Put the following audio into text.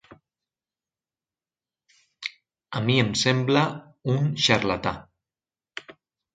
A mi em sembla un xarlatà.